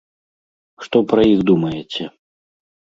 Што пра іх думаеце?